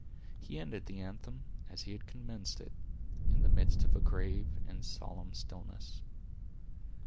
He ended the anthem, as he had commenced it, in the midst of a grave and solemn stillness.